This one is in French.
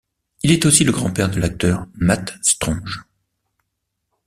Il est aussi le grand-père de l'acteur Matt Stronge.